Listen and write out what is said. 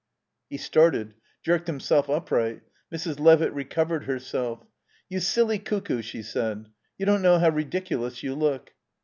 He started; jerked himself upright. Mrs. Levitt recovered herself. "You silly cuckoo," she said. "You don't know how ridiculous you look."